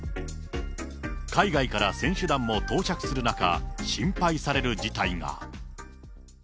海外から選手団も到着する中、心配される事態が。